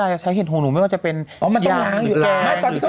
ไม่สังคู่ใสขนาดนี้เลยนะ